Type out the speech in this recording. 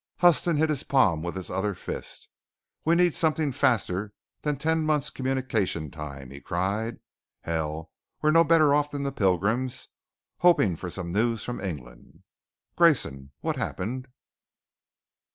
Huston hit his palm with his other fist. "We need something faster than ten months communication time!" he cried. "Hell! We're no better off than the Pilgrims, hoping for some news from England. Grayson, what happened?"